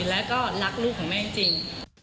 แล้วก็รักลูกของแม่จริง